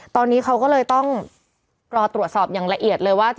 ตอนนี้เขาก็เลยต้องรอตรวจสอบอย่างละเอียดเลยว่า